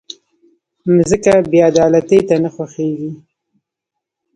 مځکه بېعدالتۍ ته نه خوښېږي.